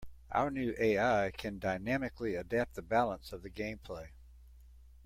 Our new AI can dynamically adapt the balance of the gameplay.